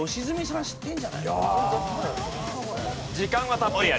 時間はたっぷりある。